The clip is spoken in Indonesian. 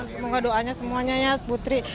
semoga doanya semuanya ya putri